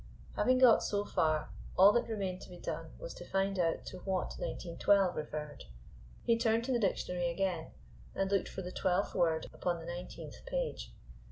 Having got so far, all that remained to be done was to find out to what "nineteen twelve" referred. He turned to the dictionary again, and looked for the twelfth word upon the nineteenth page.